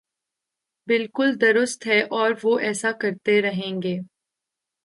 بالکل درست ہے اور وہ ایسا کرتے رہیں گے۔